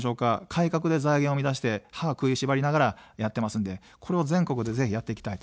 改革で財源を生み出して歯を食いしばりながらやっていますので、全国でぜひやっていきたい。